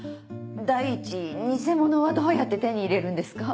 第一偽物はどうやって手に入れるんですか？